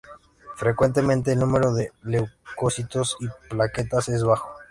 Frecuentemente el número de leucocitos y plaquetas es bajo.